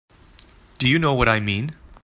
Do you know what I mean?